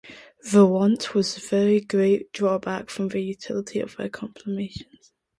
The want was a very great drawback from the utility of their compilations.